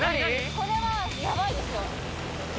これはヤバいですよ。